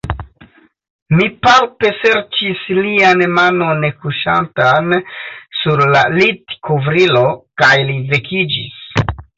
Mi palpeserĉis lian manon kuŝantan sur la litkovrilo, kaj li vekiĝis.